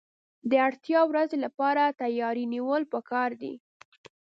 د اړتیا ورځې لپاره تیاری نیول پکار دي.